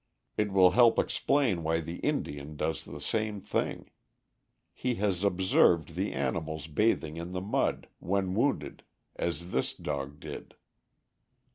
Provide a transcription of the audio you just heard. It will help explain why the Indian does the same thing. He has observed the animals bathing in the mud, when wounded, as this dog did.